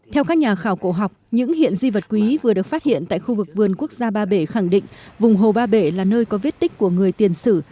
theo các nhà khảo cổ học những hiện di vật quý vừa được phát hiện tại khu vực vườn quốc gia ba bể khẳng định vùng hồ ba bể là nơi có viết tích của người tiền sử